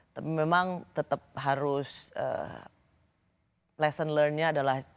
tapi memang tetap harus lesson learnnya adalah